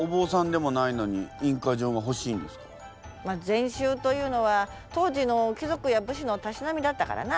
禅宗というのは当時の貴族や武士のたしなみだったからな。